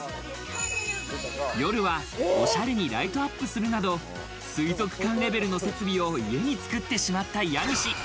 夜はおしゃれにライトアップするなど水族館レベルの設備を家に作ってしまった家主。